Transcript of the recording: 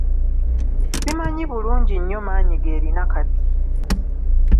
Simanyi bulungi nnyo maanyi g’erina kati.